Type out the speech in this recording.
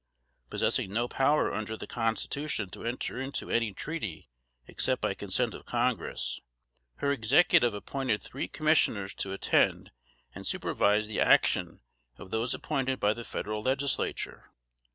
Possessing no power under the Constitution to enter into any treaty except by consent of Congress, her Executive appointed three Commissioners to attend and supervise the action of those appointed by the Federal Legislature.